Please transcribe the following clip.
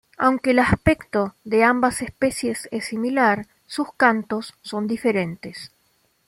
Aunque el aspecto de ambas especies es similar, sus cantos son diferentes.